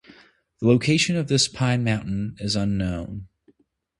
The location of this Pine mountain is unknown.